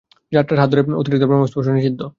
যাত্রার আসরে হাত ধরার অতিরিক্ত প্রেমস্পর্শ নিষিদ্ধ।